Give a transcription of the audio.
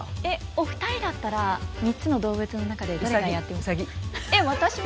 お二人だったら３つの動物の中でどれがやってみたい。